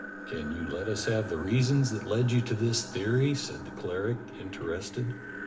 "Can you let us have the reasons that led you to this theory?" said the cleric, interested.